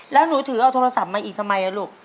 แล้วหนูถือเอาโทรศัพท์มาอีกทำไมลูก